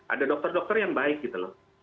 ada dokter dokter yang baik gitu loh